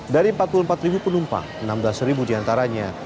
dari empat puluh empat penumpang enam belas di antaranya